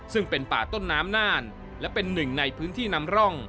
ซึ่งเป็นป่าต้นน้ำน่านและเป็นหนึ่งในพื้นที่นำร่อง